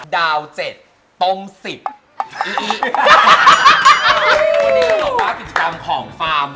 ดาว๗ตรง๑๐